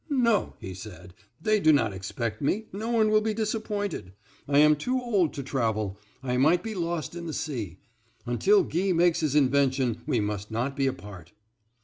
"No," he said, "they do not expect me. No one will be disappointed. I am too old to travel. I might be lost in the sea. Until Guy makes his invention we must not be apart."